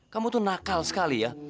kamu tuh nakal sekali ya